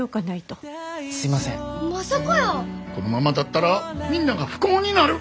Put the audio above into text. このままだったらみんなが不幸になる。